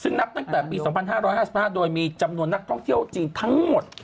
ซึ่งนับตั้งแต่ปี๒๕๕๕โดยมีจำนวนนักท่องเที่ยวจีนทั้งหมด